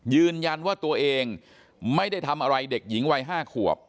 ยืนยันว่าตัวเองไม่ได้ทำอะไรเด็กหญิงวัย๕ขวบ